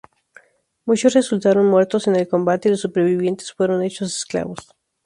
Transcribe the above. Muchos resultaron muertos en el combate, y los supervivientes fueron hechos esclavos.